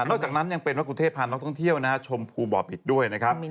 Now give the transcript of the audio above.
นอกจากนั้นยังเป็นว่ากรุงเทพพานักท่องเที่ยวชมภูบ่อผิดด้วยนะครับ